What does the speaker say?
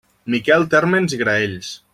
Miquel Térmens i Graells.